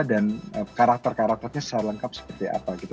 dan karakter karakternya secara lengkap seperti apa gitu